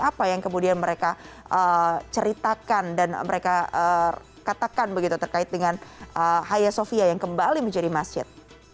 apa yang kemudian mereka ceritakan dan mereka katakan begitu terkait dengan haya sofia yang kembali menjadi masjid